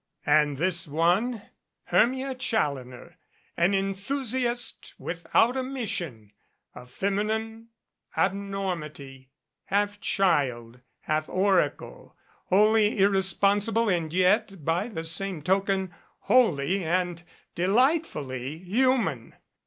And this one Hermia Challoner, an enthusi ast without a mission a feminine abnormity, half child, half oracle, wholly irresponsible and yet, by the same token, wholly and delightfully human!